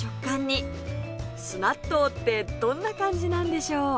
酢納豆ってどんな感じなんでしょう？